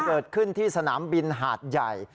เกิดขึ้นที่สนามบินหาดใหญ่